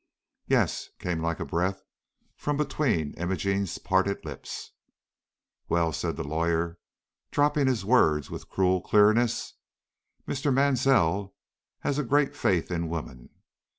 "Yes," came like a breath from between Imogene's parted lips. "Well," said the lawyer, dropping his words with cruel clearness, "Mr. Mansell has a great faith in women.